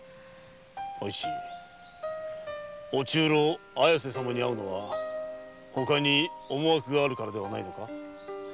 おいち中臈綾瀬様に会うのはほかに思惑があるからではないのか？